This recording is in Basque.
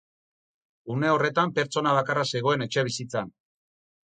Une horretan pertsona bakarra zegoen etxebizitzan.